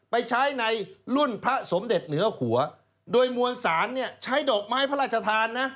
ไปใช้ในรุ่นพระสมเด็จเหนือหัวโดยมวลสารเนี่ยใช้ดอกไม้พระราชทานนะ